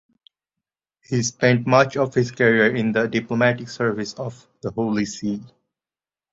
He spent much of his career in the diplomatic service of the Holy See.